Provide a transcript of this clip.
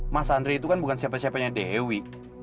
mas andre itu kan bukan siapa siapanya dewi